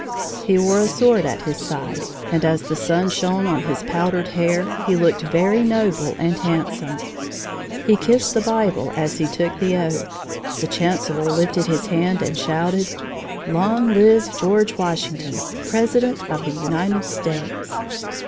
He wore a sword at his side, and as the sun shone on his powdered hair, he looked very noble and handsome. He kissed the Bible as he took the oath; the chancellor lifted his hand and shouted: "Long live George Washington, President of the United States."